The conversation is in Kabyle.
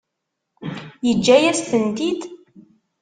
Yeǧǧa-yas-tent-id?